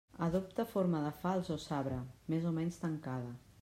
Adopta forma de falç o sabre, més o menys tancada.